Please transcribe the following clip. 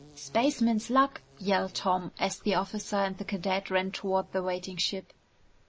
"Spaceman's luck," yelled Tom as the officer and the cadet ran toward the waiting ship.